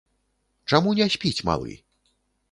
Чаму не спіць малы?